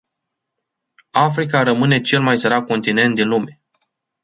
Africa rămâne cel mai sărac continent din lume.